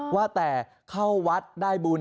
ว่าแต่เข้าวัดได้บุญ